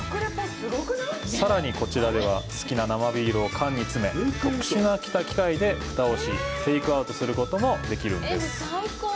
さらに、こちらでは好きな生ビールを缶に詰め、特殊な機械でふたをし、テイクアウトすることもできるんです。